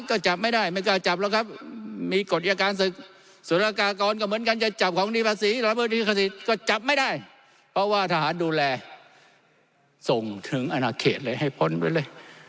ก็จับไม่ได้เพราะว่าทหารดูแลส่งถึงอนาเคตเลยให้พ้นไว้เลย